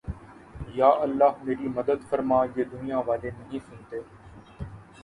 یا اللہ میری مدد فرمایہ دنیا والے نہیں سنتے